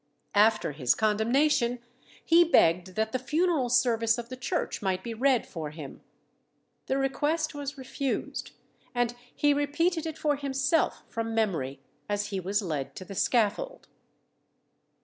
After his condemnation, he begged that the funeral service of the Church might be read for him. The request was refused, and he repeated it for himself from memory as he was led to the scaffold.